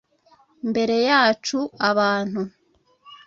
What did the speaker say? mbere yacu a abantu